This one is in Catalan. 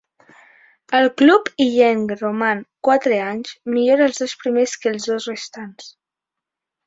Al club illenc roman quatre anys, millors els dos primers que els dos restants.